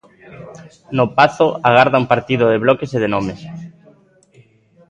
No Pazo agarda un partido de bloques e de nomes.